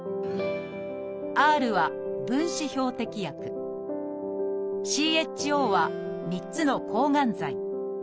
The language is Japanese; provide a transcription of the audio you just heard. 「Ｒ」は分子標的薬。「Ｃ」「Ｈ」「Ｏ」は３つの抗がん剤。